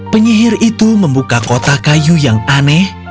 penyihir itu membuka kotak kayu yang aneh